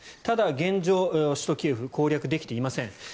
ただ、現状、首都キエフを攻略できていません。